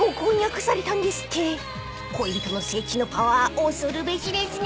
［恋人の聖地のパワー恐るべしですね。